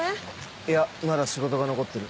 いやまだ仕事が残ってる。